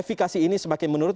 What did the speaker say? efikasi ini semakin menurun